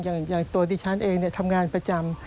อย่างตัวดิฉันเองทำงานประจำ